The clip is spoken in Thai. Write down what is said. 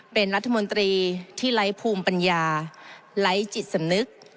เป็นรัฐมนตรีที่ไร้ภูมิปัญญาไร้จิตสำนึก